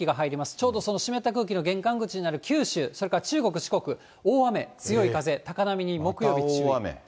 ちょうどその湿った空気の玄関口になる九州、それから中国、四国、大雨、強い風、高波に木曜日注意。